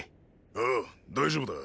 ああ大丈夫だ。